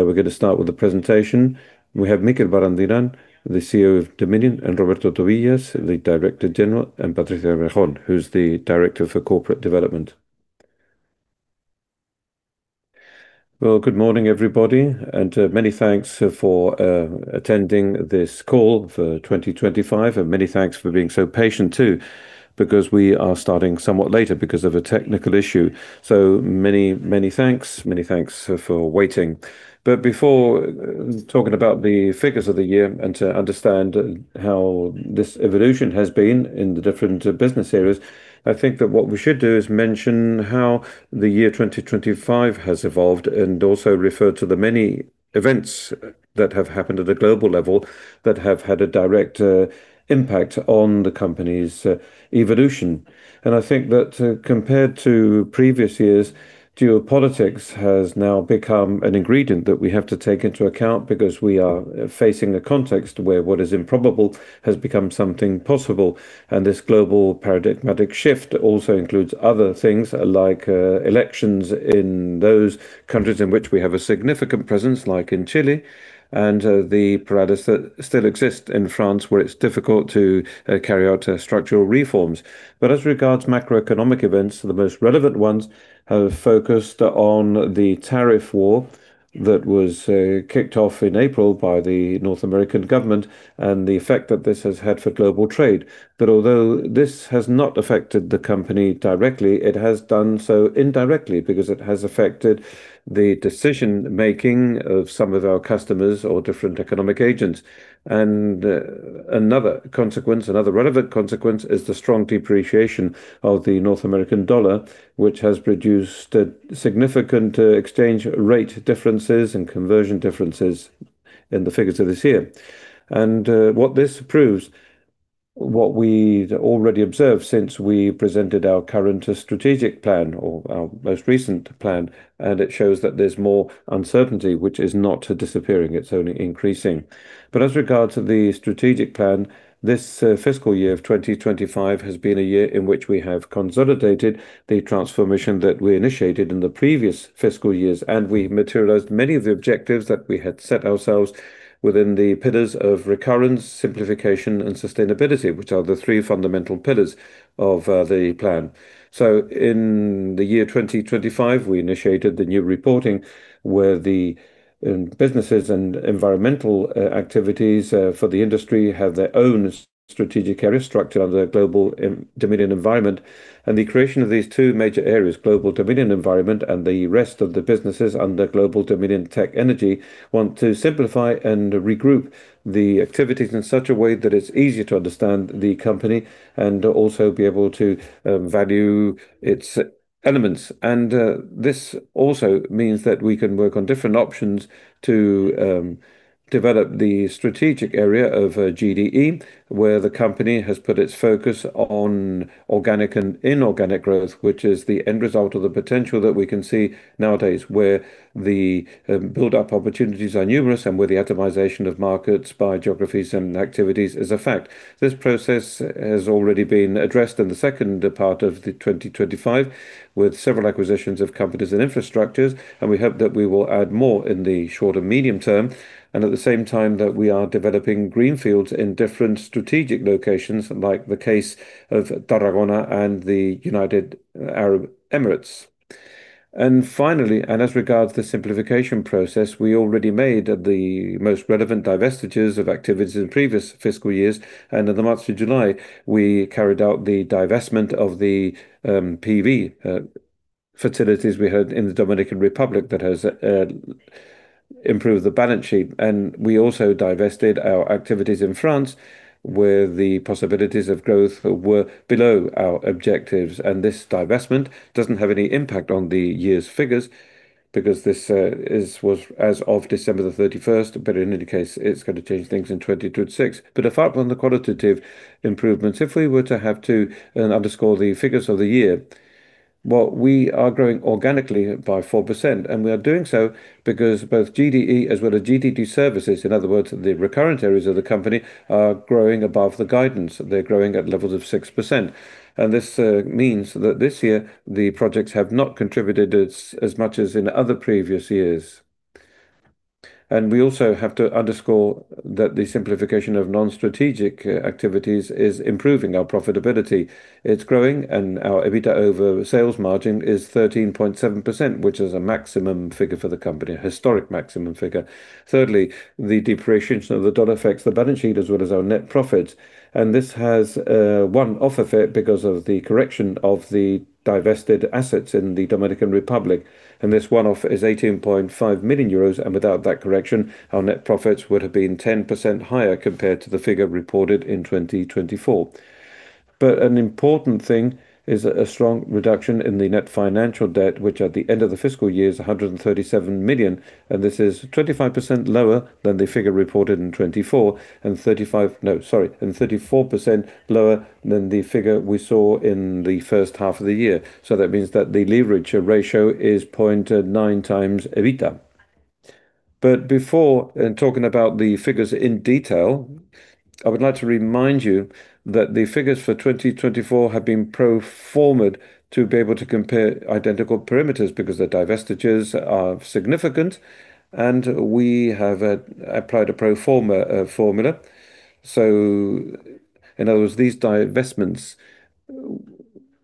We're going to start with the presentation. We have Mikel Barandiarán, the CEO of Dominion, and Roberto Tobillas, the Director General, and Patricia Berjón, who's the Director for Corporate Development. Good morning, everybody, and many thanks for attending this call for 2025, and many thanks for being so patient, too, because we are starting somewhat later because of a technical issue. Many thanks. Many thanks for waiting. Before talking about the figures of the year and to understand how this evolution has been in the different business areas, I think that what we should do is mention how the year 2025 has evolved and also refer to the many events that have happened at a global level that have had a direct impact on the company's evolution. I think that, compared to previous years, geopolitics has now become an ingredient that we have to take into account because we are facing a context where what is improbable has become something possible, and this global paradigmatic shift also includes other things like elections in those countries in which we have a significant presence, like in Chile, and the paralysis that still exists in France, where it's difficult to carry out structural reforms. As regards macroeconomic events, the most relevant ones have focused on the tariff war that was kicked off in April by the North American government and the effect that this has had for global trade. That although this has not affected the company directly, it has done so indirectly because it has affected the decision-making of some of our customers or different economic agents. Another consequence, another relevant consequence is the strong depreciation of the North American dollar, which has produced a significant exchange rate differences and conversion differences in the figures of this year. What this proves, what we'd already observed since we presented our current strategic plan or our most recent plan, and it shows that there's more uncertainty, which is not disappearing, it's only increasing. As regards the strategic plan, this fiscal year of 2025 has been a year in which we have consolidated the transformation that we initiated in the previous fiscal years, and we materialized many of the objectives that we had set ourselves within the pillars of recurrence, simplification, and sustainability, which are the three fundamental pillars of the plan. In the year 2025, we initiated the new reporting, where the businesses and environmental activities for the industry have their own strategic area structure under Global Dominion Environment. The creation of these two major areas, Global Dominion Environment and the rest of the businesses under Global Dominion Tech Energy, wants to simplify and regroup the activities in such a way that it's easier to understand the company and also be able to value its elements. This also means that we can work on different options to develop the strategic area of GDE, where the company has put its focus on organic and inorganic growth, which is the end result of the potential that we can see nowadays, where the build-up opportunities are numerous and where the atomization of markets by geographies and activities is a fact. This process has already been addressed in the second part of 2025, with several acquisitions of companies and infrastructures, and we hope that we will add more in the short and medium term, and at the same time, that we are developing greenfields in different strategic locations, like the case of Tarragona and the United Arab Emirates. Finally, as regards the simplification process, we already made the most relevant divestitures of activities in previous fiscal years, and in the month of July, we carried out the divestment of the PV facilities we had in the Dominican Republic that has improved the balance sheet. We also divested our activities in France, where the possibilities of growth were below our objectives. This divestment doesn't have any impact on the year's figures because this was as of December 31, but in any case, it's going to change things in 2026. Apart from the qualitative improvements, if we were to have to underscore the figures of the year, well, we are growing organically by 4%. We are doing so because both GDE as well as GDT Services, in other words, the recurrent areas of the company, are growing above the guidance. They're growing at levels of 6%. This means that this year, the projects have not contributed as much as in other previous years. We also have to underscore that the simplification of non-strategic activities is improving our profitability. It's growing. Our EBITDA over sales margin is 13.7%, which is a maximum figure for the company, a historic maximum figure. Thirdly, the depreciation of the dollar affects the balance sheet as well as our net profits. This has a one-off effect because of the correction of the divested assets in the Dominican Republic. This one-off is 18.5 million euros. Without that correction, our net profits would have been 10% higher compared to the figure reported in 2024. An important thing is a strong reduction in the net financial debt, which at the end of the fiscal year is 137 million. This is 25% lower than the figure reported in 2024 and 34% lower than the figure we saw in the first half of the year. That means that the leverage ratio is 0.9x EBITDA. Before in talking about the figures in detail, I would like to remind you that the figures for 2024 have been pro forma to be able to compare identical perimeters, because the divestitures are significant, and we have applied pro forma formula. In other words, these divestments,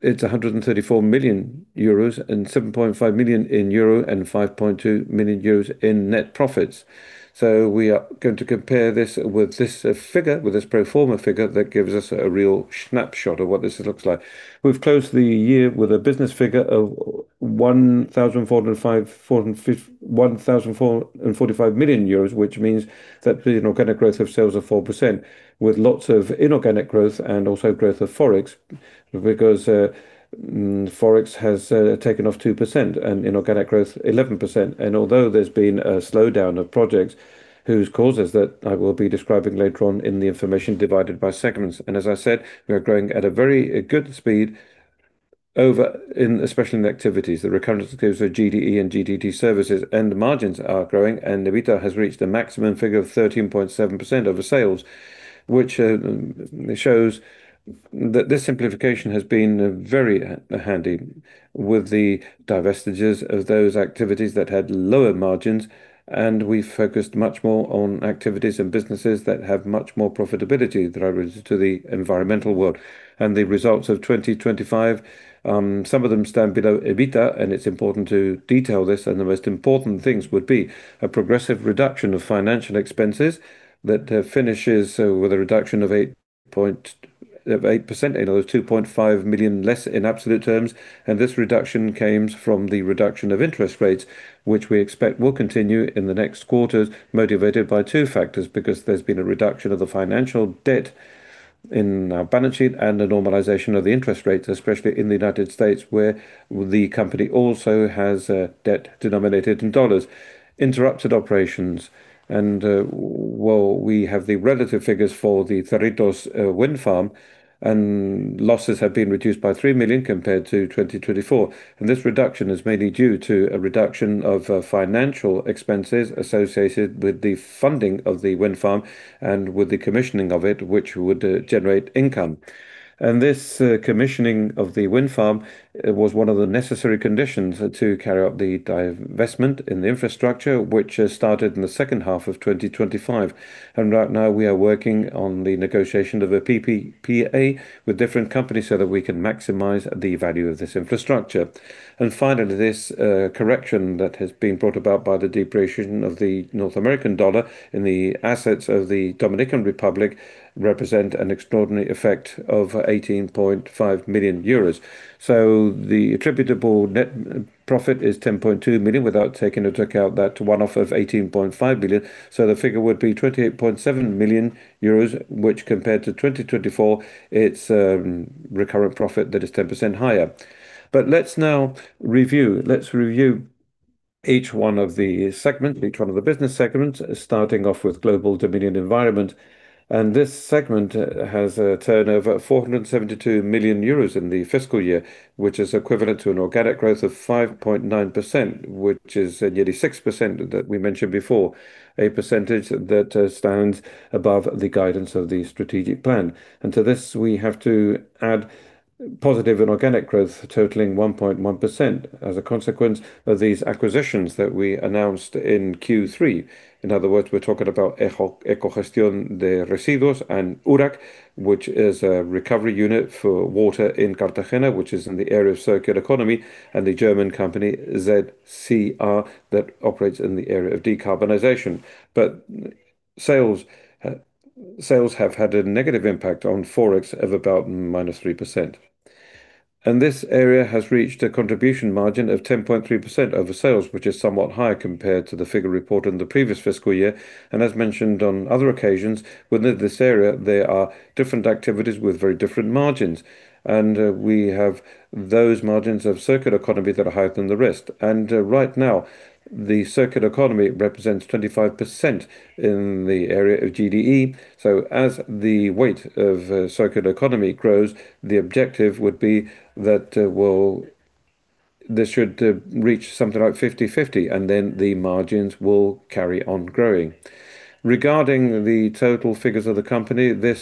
it's 134 million euros and 7.5 million in euro and 5.2 million euros in net profits. We are going to compare this with this figure, with this pro forma figure that gives us a real snapshot of what this looks like. We've closed the year with a business figure of 1,445 million euros, which means that the inorganic growth of sales is 4%, with lots of inorganic growth and also growth of Forex, because Forex has taken off 2% and inorganic growth 11%. Although there's been a slowdown of projects, whose causes that I will be describing later on in the information divided by segments, as I said, we are growing at a very good speed especially in activities. The recurrence gives a GDE and GDT services, and the margins are growing, and the EBITDA has reached a maximum figure of 13.7% over sales, which shows that this simplification has been very handy with the divestitures of those activities that had lower margins, and we focused much more on activities and businesses that have much more profitability that are to the environmental world. The results of 2025, some of them stand below EBITDA, and it's important to detail this, and the most important things would be a progressive reduction of financial expenses that finishes with a reduction of 8%, another 2.5 million less in absolute terms, and this reduction comes from the reduction of interest rates, which we expect will continue in the next quarters, motivated by two factors. There's been a reduction of the financial debt in our balance sheet and a normalization of the interest rates, especially in the United States, where the company also has a debt denominated in USD. Interrupted operations. Well, we have the relative figures for the Cerritos wind farm, and losses have been reduced by 3 million compared to 2024. This reduction is mainly due to a reduction of financial expenses associated with the funding of the wind farm and with the commissioning of it, which would generate income. This commissioning of the wind farm, it was one of the necessary conditions to carry out the divestment in the infrastructure, which started in the H2 of 2025. Right now, we are working on the negotiation of a PPA with different companies so that we can maximize the value of this infrastructure. Finally, this correction that has been brought about by the depreciation of the North American dollar in the assets of the Dominican Republic, represent an extraordinary effect of 18.5 million euros. The attributable net profit is 10.2 million, without taking into account that one-off of 18.5 million. The figure would be 28.7 million euros, which compared to 2024, it's recurrent profit that is 10% higher. Let's now review. Let's review each one of the segments, each one of the business segments, starting off with Global Dominion Environment. This segment has a turnover of 472 million euros in the fiscal year, which is equivalent to an organic growth of 5.9%, which is nearly 6% that we mentioned before, a percentage that stands above the guidance of the strategic plan. To this, we have to add positive and organic growth, totaling 1.1% as a consequence of these acquisitions that we announced in Q3. In other words, we're talking about Ecogestión de Residuos and URAC, which is a recovery unit for water in Cartagena, which is in the area of circular economy, and the German company, ZCR, that operates in the area of decarbonization. Sales have had a negative impact on Forex of about -3%. This area has reached a contribution margin of 10.3% over sales, which is somewhat higher compared to the figure reported in the previous fiscal year. As mentioned on other occasions, within this area, there are different activities with very different margins, and we have those margins of circular economy that are higher than the rest. Right now, the circular economy represents 25% in the area of GDE. As the weight of circular economy grows, the objective would be that, well, this should reach something like 50/50. Then the margins will carry on growing. Regarding the total figures of the company, this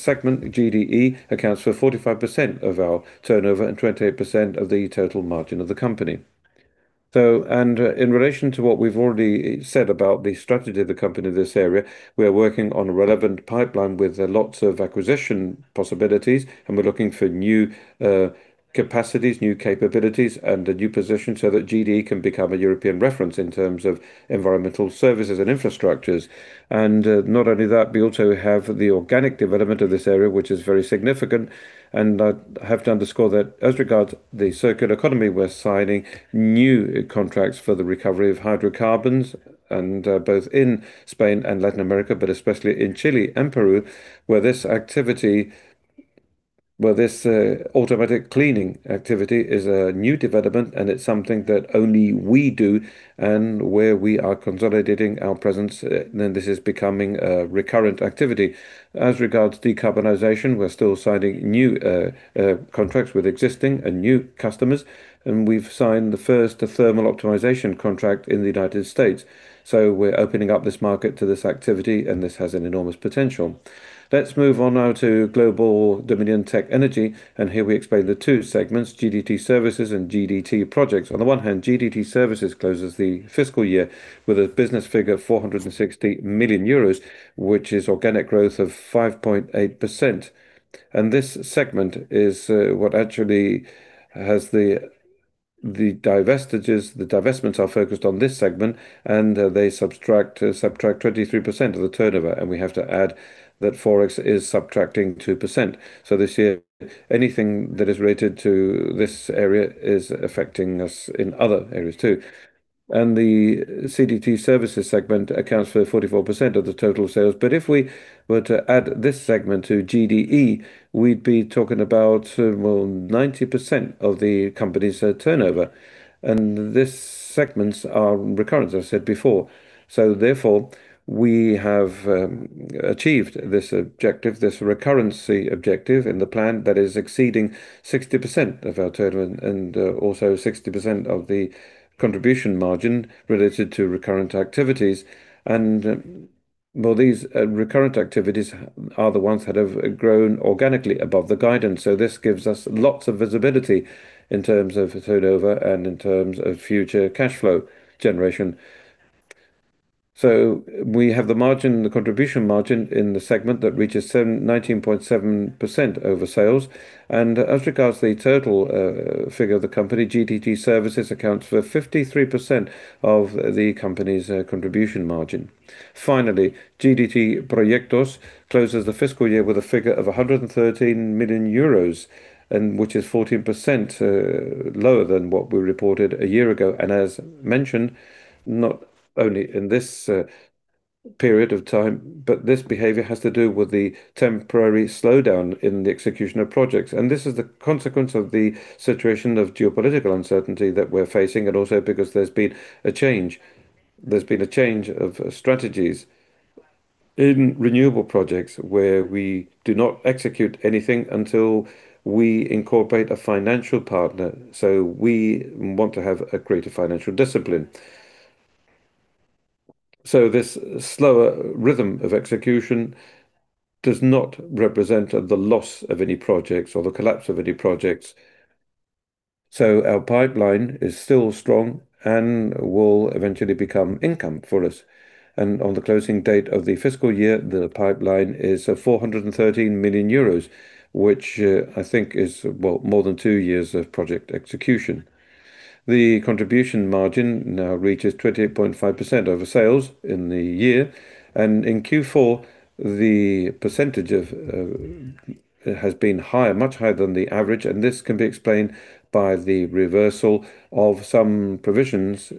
segment, GDE, accounts for 45% of our turnover and 28% of the total margin of the company. In relation to what we've already said about the strategy of the company in this area, we are working on a relevant pipeline with lots of acquisition possibilities, and we're looking for new capacities, new capabilities, and a new position so that GDE can become a European reference in terms of environmental services and infrastructures. Not only that, we also have the organic development of this area, which is very significant, and I have to underscore that as regards the circular economy, we're signing new contracts for the recovery of hydrocarbons, both in Spain and Latin America, but especially in Chile and Peru, where this activity. This automatic cleaning activity is a new development, and it's something that only we do and where we are consolidating our presence, this is becoming a recurrent activity. As regards decarbonization, we're still signing new contracts with existing and new customers, and we've signed the first thermal optimization contract in the United States. We're opening up this market to this activity, and this has an enormous potential. Let's move on now to Global Dominion Tech Energy, and here we explain the two segments, GDT Services and GDT Projects. On the one hand, GDT Services closes the fiscal year with a business figure of 460 million euros, which is organic growth of 5.8%. This segment is what actually has the divestitures, the divestments are focused on this segment, they subtract 23% of the turnover, and we have to add that Forex is subtracting 2%. This year, anything that is related to this area is affecting us in other areas, too. The B2B Services segment accounts for 44% of the total sales, but if we were to add this segment to GDE, we'd be talking about, well, 90% of the company's turnover, and these segments are recurrent, as I said before. Therefore, we have achieved this objective, this recurrency objective in the plan that is exceeding 60% of our turnover and also 60% of the contribution margin related to recurrent activities. These recurrent activities are the ones that have grown organically above the guidance, this gives us lots of visibility in terms of turnover and in terms of future cash flow generation. We have the margin, the contribution margin in the segment that reaches 19.7% over sales. The total figure of the company, GDT Services accounts for 53% of the company's contribution margin. GDT Proyectos closes the fiscal year with a figure of 113 million euros, and which is 14% lower than what we reported a year ago. Not only in this period of time, but this behavior has to do with the temporary slowdown in the execution of projects. This is the consequence of the situation of geopolitical uncertainty that we're facing, also because there's been a change. There's been a change of strategies in renewable projects, where we do not execute anything until we incorporate a financial partner, we want to have a greater financial discipline. This slower rhythm of execution does not represent the loss of any projects or the collapse of any projects. Our pipeline is still strong and will eventually become income for us. On the closing date of the fiscal year, the pipeline is 413 million euros, which, I think is, well, more than two years of project execution. The contribution margin now reaches 28.5% over sales in the year. In Q4, the percentage has been higher, much higher than the average. This can be explained by the reversal of some provisions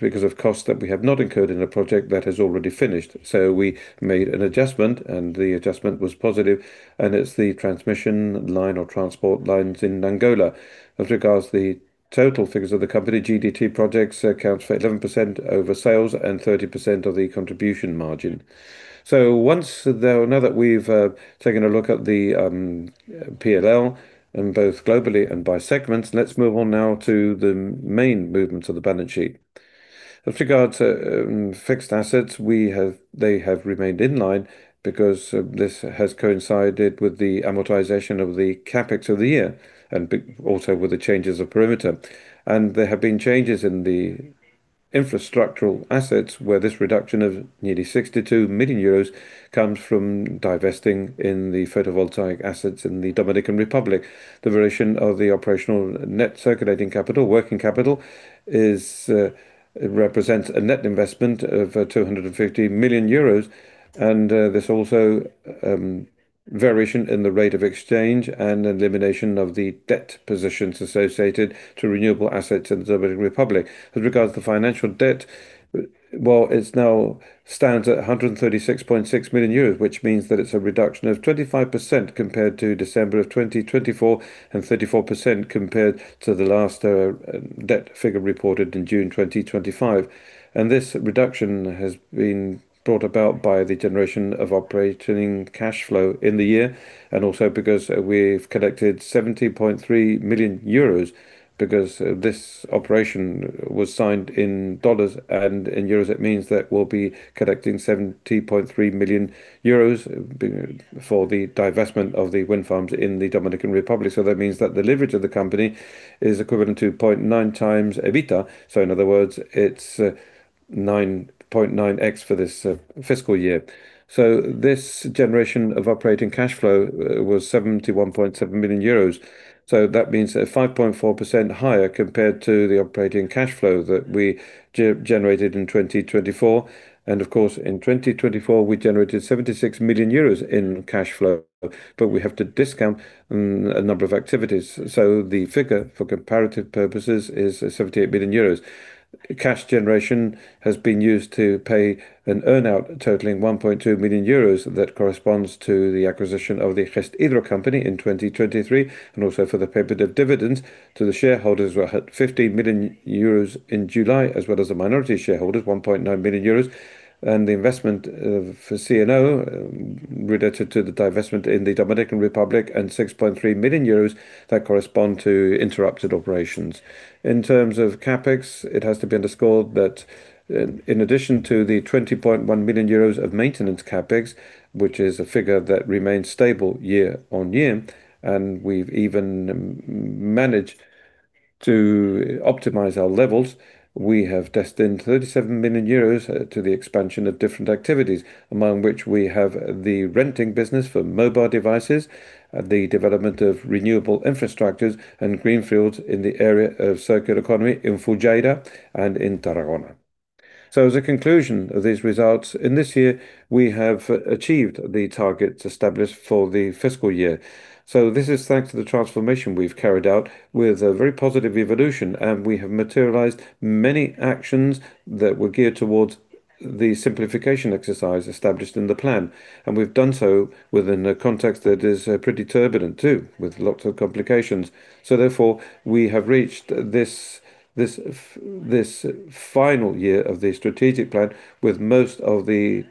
because of costs that we have not incurred in a project that has already finished. We made an adjustment. The adjustment was positive. It's the transmission line or transport lines in Angola. As regards the total figures of the company, GDT projects accounts for 11% over sales and 30% of the contribution margin. Once, though, now that we've taken a look at the P&L, both globally and by segments, let's move on now to the main movements of the balance sheet. With regard to fixed assets, they have remained in line because this has coincided with the amortization of the CapEx of the year and also with the changes of perimeter. There have been changes in the infrastructural assets, where this reduction of nearly 62 million euros comes from divesting in the photovoltaic assets in the Dominican Republic. The variation of the operational net circulating capital, working capital, represents a net investment of 250 million euros, there's also variation in the rate of exchange and elimination of the debt positions associated to renewable assets in the Dominican Republic. With regards to financial debt, well, it now stands at 136.6 million euros, which means that it's a reduction of 25% compared to December 2024, and 34% compared to the last debt figure reported in June 2025. This reduction has been brought about by the generation of operating cash flow in the year, and also because we've collected 70.3 million euros, because this operation was signed in dollars and in euros, it means that we'll be collecting 70.3 million euros for the divestment of the wind farms in the Dominican Republic. That means that the leverage of the company is equivalent to 0.9x EBITDA. In other words, it's 9.9x for this fiscal year. This generation of operating cash flow was 71.7 million euros. That means a 5.4% higher compared to the operating cash flow that we generated in 2024. Of course, in 2024, we generated 76 million euros in cash flow, but we have to discount a number of activities. The figure, for comparative purposes, is 78 million euros. Cash generation has been used to pay an earn-out totaling 1.2 million euros, that corresponds to the acquisition of the GestHidro company in 2023, and also for the payment of dividends to the shareholders, who had 15 million euros in July, as well as the minority shareholders, 1.9 million euros, and the investment for CNO, related to the divestment in the Dominican Republic, and 6.3 million euros that correspond to interrupted operations. In terms of CapEx, it has to be underscored that in addition to the 20.1 million euros of maintenance CapEx, which is a figure that remains stable year-on-year, we've even managed to optimize our levels. We have destined 37 million euros to the expansion of different activities, among which we have the renting business for mobile devices, the development of renewable infrastructures, and greenfields in the area of circular economy in Fujairah and in Tarragona. As a conclusion of these results, in this year, we have achieved the targets established for the fiscal year. This is thanks to the transformation we've carried out with a very positive evolution. We have materialized many actions that were geared towards the simplification exercise established in the plan. We've done so within a context that is pretty turbulent, too, with lots of complications. Therefore, we have reached this final year of the strategic plan, with most of the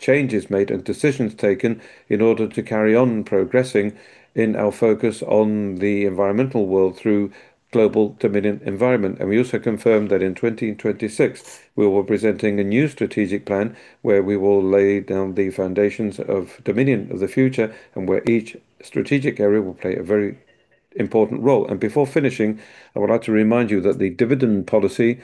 changes made and decisions taken in order to carry on progressing in our focus on the environmental world through Global Dominion Environment. We also confirmed that in 2026, we were presenting a new strategic plan, where we will lay down the foundations of Dominion of the future, and where each strategic area will play a very important role. Before finishing, I would like to remind you that the dividend policy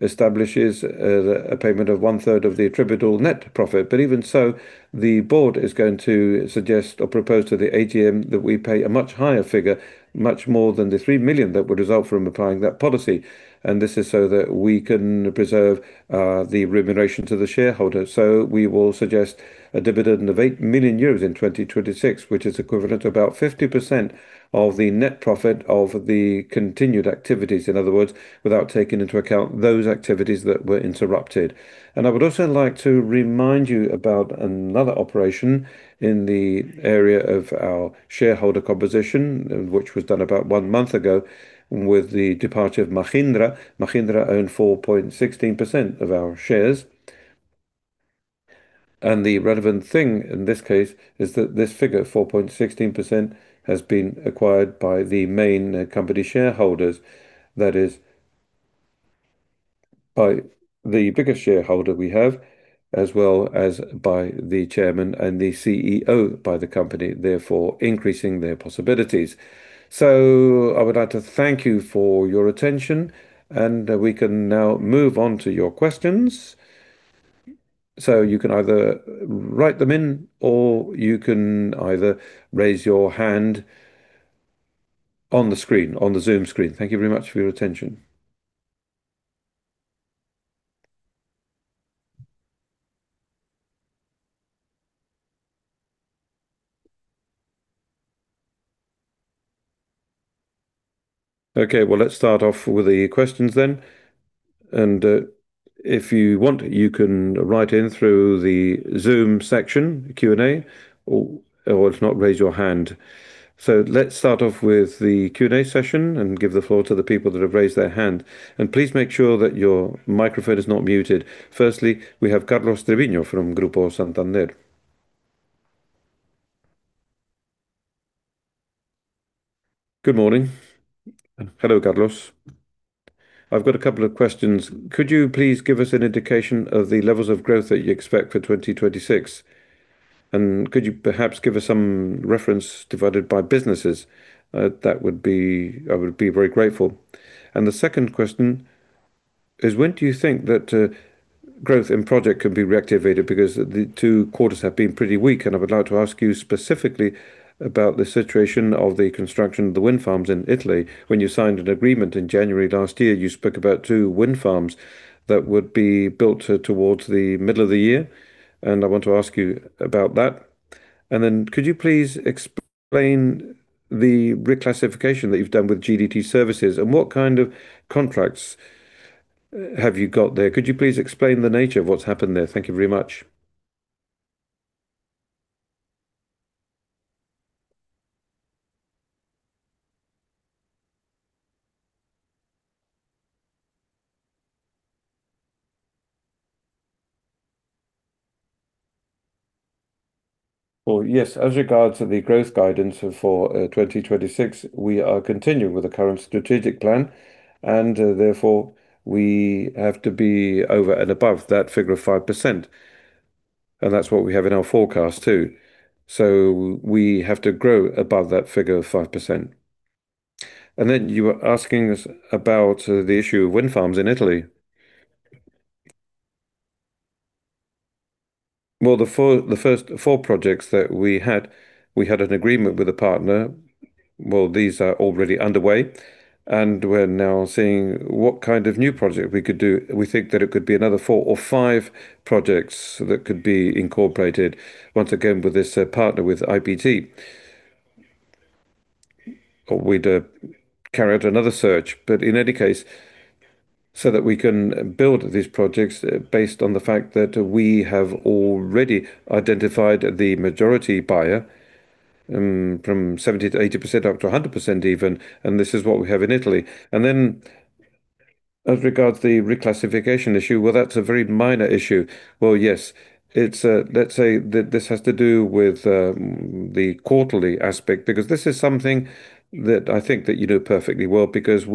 establishes a payment of one-third of the attributable net profit. Even so, the board is going to suggest or propose to the AGM that we pay a much higher figure, much more than the 3 million that would result from applying that policy, and this is so that we can preserve the remuneration to the shareholders. We will suggest a dividend of 8 million euros in 2026, which is equivalent to about 50% of the net profit of the continued activities. In other words, without taking into account those activities that were interrupted. I would also like to remind you about another operation in the area of our shareholder composition, which was done about one month ago with the departure of Mahindra. Mahindra owned 4.16% of our shares, and the relevant thing in this case is that this figure, 4.16%, has been acquired by the main company shareholders. That is, by the biggest shareholder we have, as well as by the chairman and the CEO of the company, therefore, increasing their possibilities. I would like to thank you for your attention, and we can now move on to your questions. You can either write them in, or you can either raise your hand on the Zoom screen. Thank you very much for your attention. Okay, well, let's start off with the questions then. If you want, you can write in through the Zoom section, Q&A, or if not, raise your hand. Let's start off with the Q&A session and give the floor to the people that have raised their hand. Please make sure that your microphone is not muted. Firstly, we have Carlos Treviño from Grupo Santander. Good morning. Hello, Carlos. I've got a couple of questions. Could you please give us an indication of the levels of growth that you expect for 2026? Could you perhaps give us some reference divided by businesses? I would be very grateful. The second question is: When do you think that growth in project can be reactivated? Because the two quarters have been pretty weak, and I would like to ask you specifically about the situation of the construction of the wind farms in Italy. When you signed an agreement in January last year, you spoke about two wind farms that would be built towards the middle of the year, and I want to ask you about that. Could you please explain the reclassification that you've done with GDT Services, and what kind of contracts have you got there? Could you please explain the nature of what's happened there? Thank you very much. As regards to the growth guidance for 2026, we are continuing with the current strategic plan, and therefore, we have to be over and above that figure of 5%, and that's what we have in our forecast, too. We have to grow above that figure of 5%. You were asking us about the issue of wind farms in Italy. The first four projects that we had, we had an agreement with a partner. These are already underway, and we're now seeing what kind of new project we could do. We think that it could be another four or five projects that could be incorporated, once again, with this partner, with IBT. We'd carry out another search, but in any case, so that we can build these projects based on the fact that we have already identified the majority buyer from 70%-80%, up to 100% even, this is what we have in Italy. As regards the reclassification issue, that's a very minor issue. Yes, it's. Let's say that this has to do with the quarterly aspect, because this is something that I think that you know perfectly well, because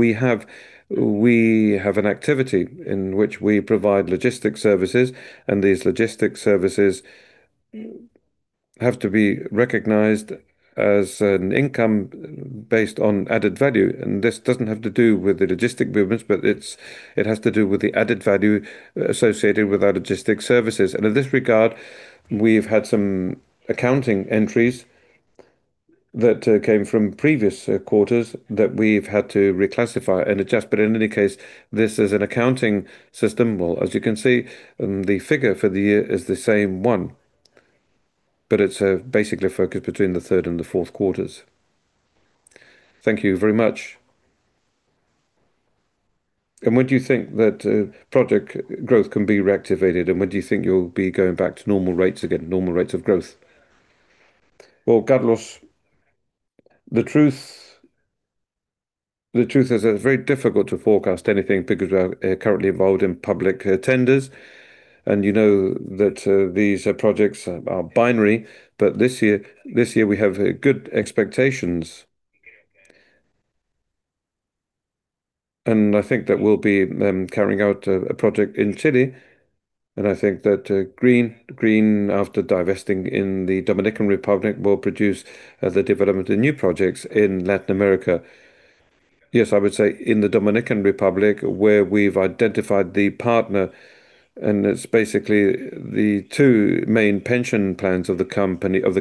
we have an activity in which we provide logistic services, and these logistic services have to be recognized as an income based on added value, and this doesn't have to do with the logistic movements, but it has to do with the added value associated with our logistic services. In this regard, we've had some accounting entries that came from previous quarters that we've had to reclassify and adjust. In any case, this is an accounting system. As you can see, the figure for the year is the same one, but it's basically focused between the third and the Q4. Thank you very much. When do you think that project growth can be reactivated, and when do you think you'll be going back to normal rates again, normal rates of growth? Well, Carlos, the truth is that it's very difficult to forecast anything because we are currently involved in public tenders, and you know that these projects are binary. This year we have good expectations. I think that we'll be carrying out a project in Chile, and I think that green, after divesting in the Dominican Republic, will produce the development of new projects in Latin America. Yes, I would say in the Dominican Republic, where we've identified the partner, and it's basically the two main pension plans of the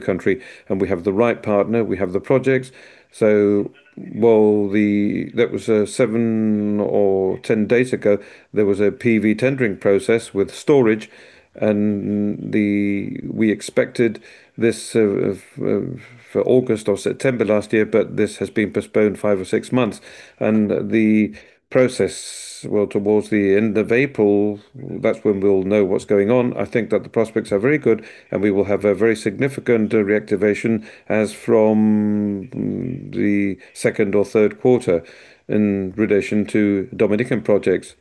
country, and we have the right partner, we have the projects. Well, the... That was seven or 10 days ago, there was a PV tendering process with storage, we expected this for August or September last year, but this has been postponed five or six months. The process, well, towards the end of April, that's when we'll know what's going on. I think that the prospects are very good, and we will have a very significant reactivation as from the Q2 or Q3 in relation to Dominion projects.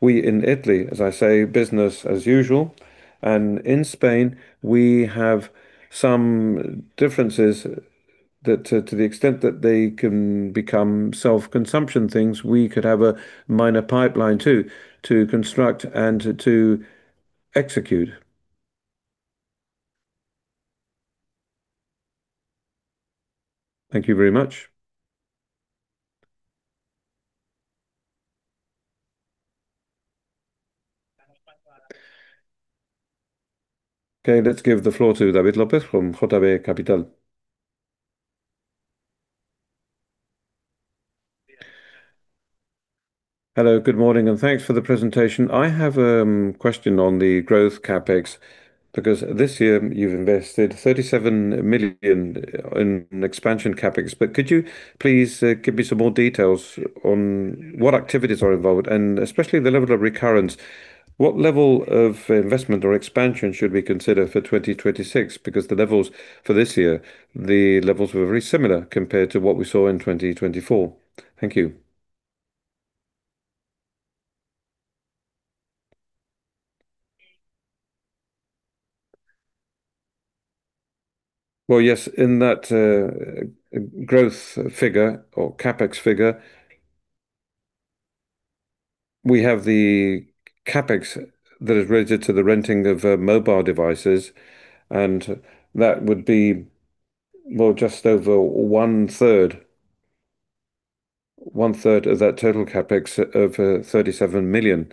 We in Italy, as I say, business as usual, and in Spain, we have some differences that, to the extent that they can become self-consumption things, we could have a minor pipeline too, to construct and to execute. Thank you very much. Okay, let's give the floor to David López from JB Capital. Hello, good morning, and thanks for the presentation. I have a question on the growth CapEx, because this year you've invested 37 million in expansion CapEx. Could you please give me some more details on what activities are involved, and especially the level of recurrence? What level of investment or expansion should we consider for 2026? Because the levels for this year were very similar compared to what we saw in 2024. Thank you. Yes, in that growth figure or CapEx figure, we have the CapEx that is related to the renting of mobile devices, and that would be, just over one-third of that total CapEx of 37 million.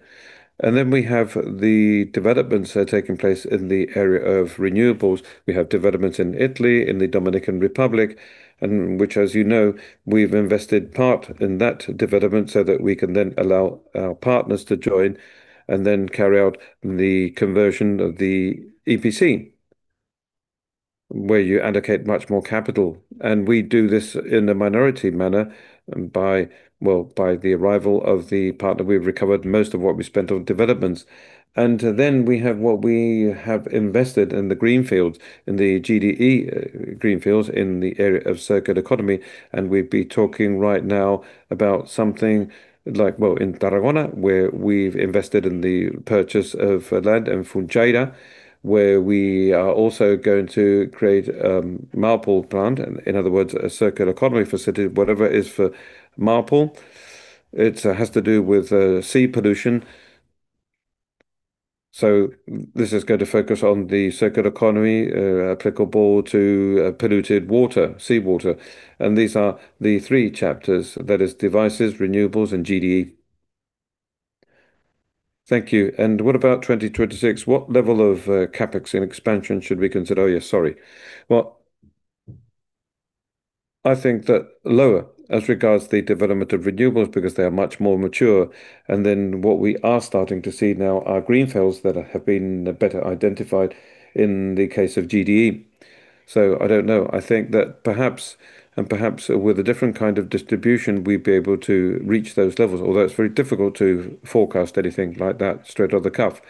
We have the developments that are taking place in the area of renewables. We have developments in Italy, in the Dominican Republic, and which, as you know, we've invested part in that development so that we can then allow our partners to join and then carry out the conversion of the EPC, where you allocate much more capital. We do this in a minority manner, by, well, by the arrival of the partner, we've recovered most of what we spent on developments. We have what we have invested in the greenfields, in the GDE greenfields, in the area of circular economy, and we'd be talking right now about something like, well, in Tarragona, where we've invested in the purchase of land in Fujairah, where we are also going to create a MARPOL plant, in other words, a circular economy facility. Whatever is for MARPOL, it has to do with sea pollution. This is going to focus on the circular economy, applicable to polluted water, seawater, and these are the three chapters: that is, devices, renewables, and GDE. Thank you. What about 2026? What level of CapEx and expansion should we consider? Oh, yes, sorry. Well, I think that lower, as regards the development of renewables, because they are much more mature, and then what we are starting to see now are greenfields that have been better identified in the case of GDE. I don't know. I think that perhaps, and perhaps with a different kind of distribution, we'd be able to reach those levels, although it's very difficult to forecast anything like that straight off the cuff.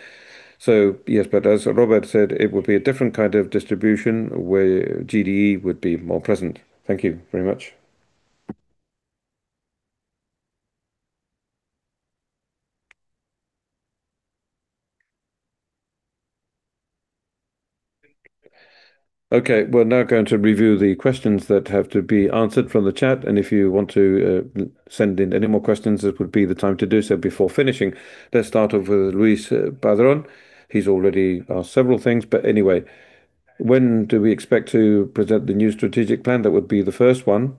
Yes, but as Robert said, it would be a different kind of distribution, where GDE would be more present. Thank you very much. We're now going to review the questions that have to be answered from the chat. If you want to send in any more questions, this would be the time to do so before finishing. Let's start off with Luis Padrón. He's already asked several things. Anyway, when do we expect to present the new strategic plan? That would be the first one.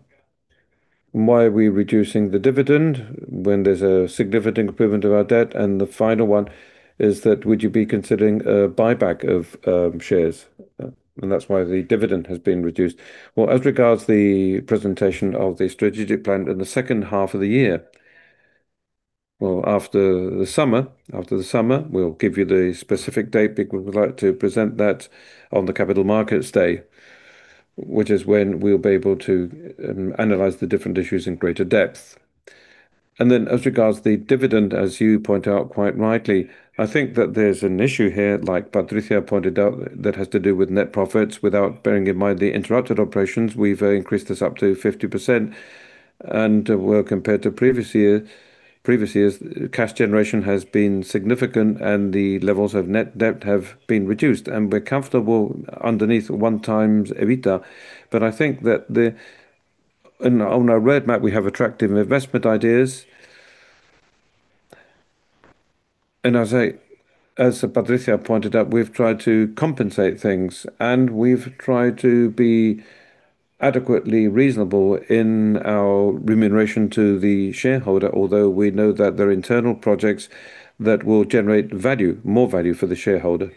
Why are we reducing the dividend when there's a significant improvement of our debt? The final one is that, would you be considering a buyback of shares, and that's why the dividend has been reduced? As regards the presentation of the strategic plan in the second half of the year, after the summer, we'll give you the specific date, but we would like to present that on the Capital Markets Day, which is when we'll be able to analyze the different issues in greater depth. As regards the dividend, as you point out, quite rightly, I think that there's an issue here, like Patricia pointed out, that has to do with net profits. Without bearing in mind the interrupted operations, we've increased this up to 50%, and, well, compared to previous years, cash generation has been significant, and the levels of net debt have been reduced, and we're comfortable underneath 1x EBITDA. On our roadmap, we have attractive investment ideas. As Patricia pointed out, we've tried to compensate things, and we've tried to be adequately reasonable in our remuneration to the shareholder, although we know that there are internal projects that will generate value, more value for the shareholder.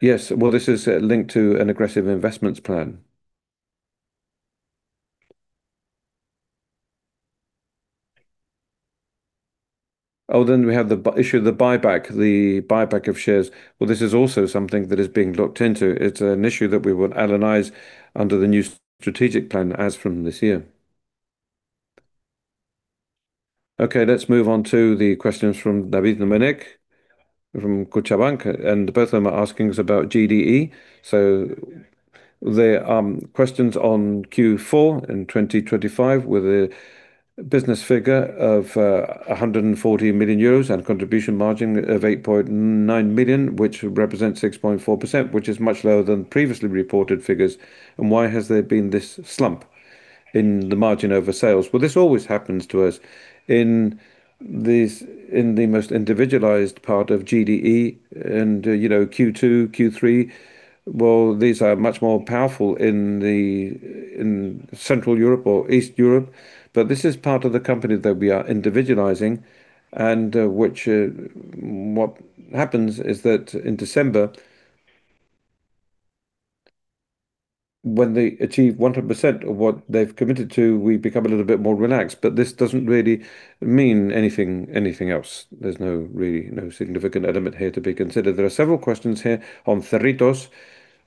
Yes, well, this is linked to an aggressive investments plan. We have the issue of the buyback of shares. Well, this is also something that is being looked into. It's an issue that we will analyze under the new strategic plan as from this year. Okay, let's move on to the questions from David Dominic, from Cochabamba, both of them are asking us about GDE. There, questions on Q4 in 2025, with a business figure of 140 million euros and contribution margin of 8.9 million, which represents 6.4%, which is much lower than previously reported figures, and why has there been this slump in the margin over sales? Well, this always happens to us in the most individualized part of GDE and, you know, Q2, Q3, well, these are much more powerful in Central Europe or East Europe. This is part of the company that we are individualizing and which. What happens is that in December, when they achieve 100% of what they've committed to, we become a little bit more relaxed, but this doesn't really mean anything else. There's no really, no significant element here to be considered. There are several questions here on Cerritos.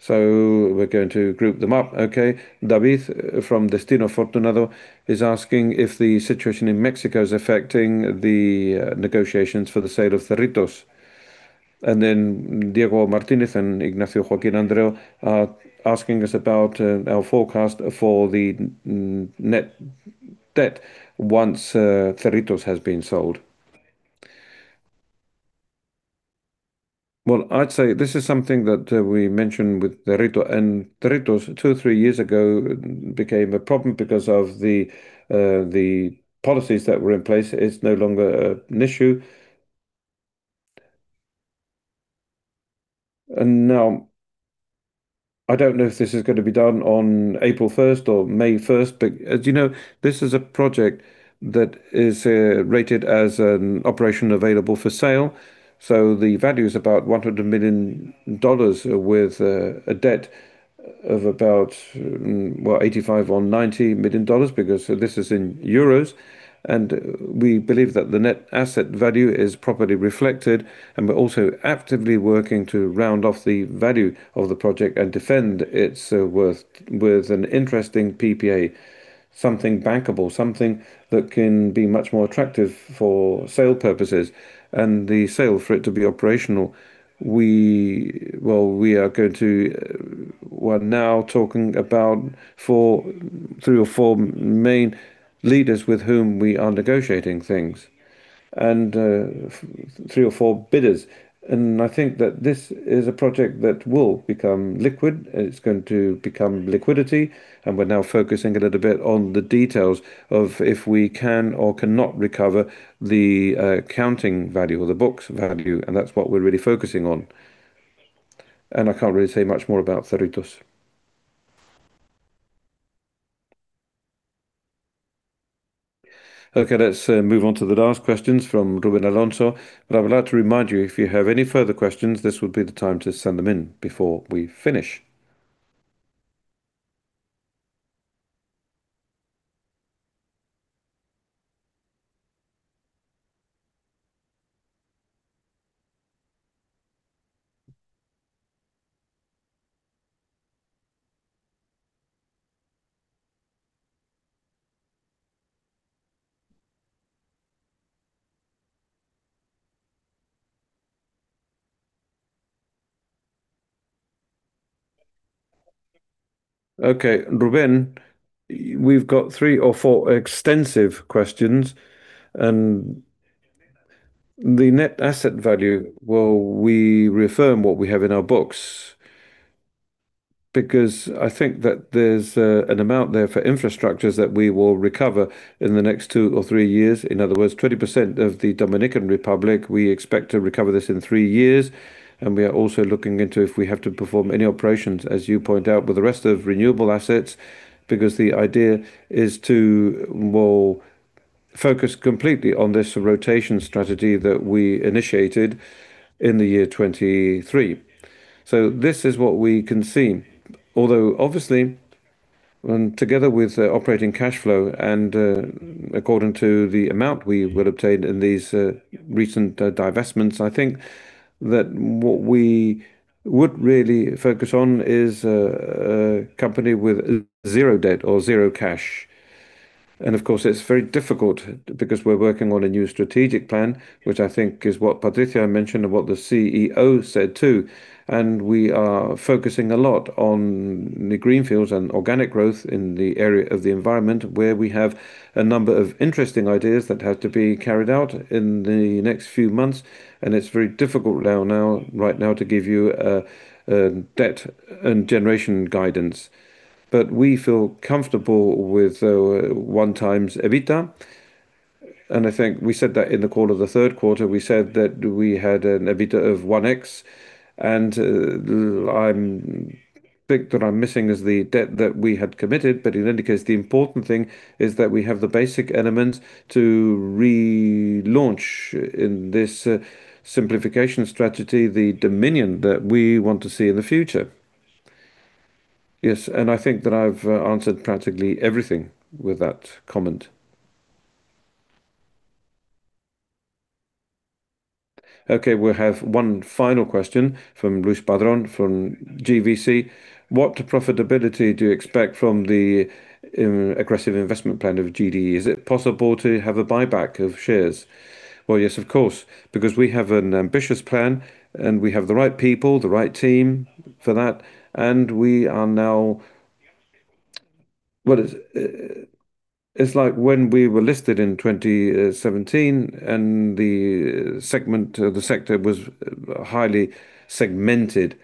We're going to group them up, okay? David from Destina Fortunado is asking if the situation in Mexico is affecting the negotiations for the sale of Cerritos. Diego Martinez and Ignacio Joaquín Andreu are asking us about our forecast for the net debt once Cerritos has been sold. Well, I'd say this is something that we mentioned with Cerritos, and Cerritos, two, three years ago, became a problem because of the policies that were in place. It's no longer an issue. Now, I don't know if this is going to be done on April 1 or May 1, but as you know, this is a project that is rated as an operation available for sale. The value is about $100 million with a debt of about EUR 85 million-EUR 90 million because this is in euros, and we believe that the net asset value is properly reflected, and we're also actively working to round off the value of the project and defend its worth with an interesting PPA, something bankable, something that can be much more attractive for sale purposes and the sale for it to be operational. We're now talking about three or four main leaders with whom we are negotiating things, and three or four bidders, and I think that this is a project that will become liquid. It's going to become liquidity, and we're now focusing a little bit on the details of if we can or cannot recover the accounting value or the book's value, and that's what we're really focusing on. I can't really say much more about Cerritos. Okay, let's move on to the last questions from Ruben Alonso. I would like to remind you, if you have any further questions, this would be the time to send them in before we finish. Okay, Ruben, we've got three or four extensive questions. The net asset value, well, we reaffirm what we have in our books because I think that there's an amount there for infrastructures that we will recover in the next two or three years. In other words, 20% of the Dominican Republic, we expect to recover this in three years, and we are also looking into if we have to perform any operations, as you pointed out, with the rest of renewable assets, because the idea is to, well focus completely on this rotation strategy that we initiated in the year 2023. This is what we can see. Although obviously, when together with the operating cash flow and according to the amount we will obtain in these recent divestments, I think that what we would really focus on is a company with zero debt or zero cash. Of course, it's very difficult because we're working on a new strategic plan, which I think is what Patricia mentioned and what the CEO said, too. We are focusing a lot on the greenfields and organic growth in the area of the environment, where we have a number of interesting ideas that have to be carried out in the next few months, and it's very difficult right now to give you a debt and generation guidance. We feel comfortable with 1x EBITDA, and I think we said that in the call of the Q3. We said that we had an EBITDA of 1x, I think that I'm missing is the debt that we had committed. In any case, the important thing is that we have the basic elements to relaunch in this simplification strategy, the Dominion that we want to see in the future. I think that I've answered practically everything with that comment. Okay, we have one final question from Luis Padrón, from GVC. What profitability do you expect from the aggressive investment plan of GDE? Is it possible to have a buyback of shares? Well, yes, of course, because we have an ambitious plan, and we have the right people, the right team for that, and we are now. Well, it's like when we were listed in 2017 and the segment, the sector was highly segmented,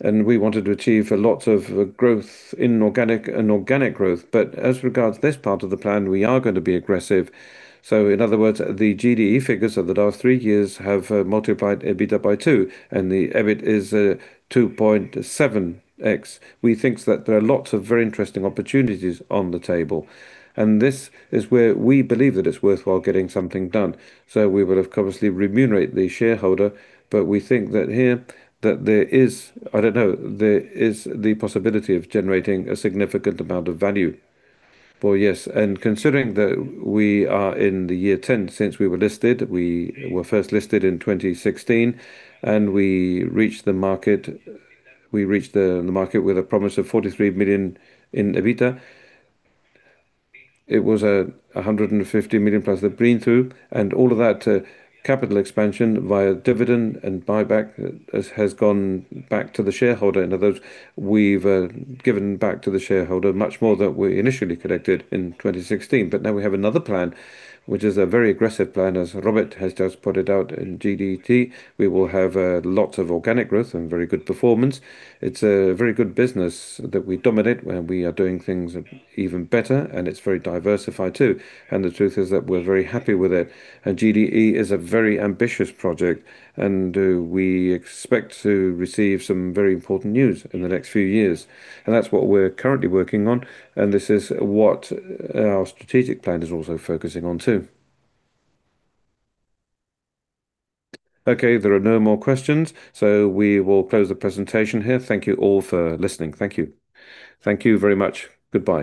and we wanted to achieve a lot of growth in organic and inorganic growth. As regards this part of the plan, we are going to be aggressive. In other words, the GDE figures of the last three years have multiplied EBITDA by two, and the EBIT is 2.7x. We think that there are lots of very interesting opportunities on the table, and this is where we believe that it's worthwhile getting something done. We will, of course, remunerate the shareholder. We think that here, that there is the possibility of generating a significant amount of value. Yes, considering that we are in the year 10 since we were listed, we were first listed in 2016. We reached the market, we reached the market with a promise of 43 million in EBITDA. It was 150 million plus the green through. All of that, capital expansion via dividend and buyback has gone back to the shareholder. In other words, we've given back to the shareholder much more than we initially collected in 2016. Now we have another plan, which is a very aggressive plan, as Robert has just pointed out, in GDT, we will have lots of organic growth and very good performance. It's a very good business that we dominate, where we are doing things even better, and it's very diversified, too. The truth is that we're very happy with it. GDE is a very ambitious project, and we expect to receive some very important news in the next few years. That's what we're currently working on, and this is what our strategic plan is also focusing on, too. Okay, there are no more questions, so we will close the presentation here. Thank you all for listening. Thank you. Thank you very much. Goodbye.